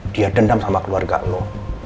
dia dendam sama keluarga lo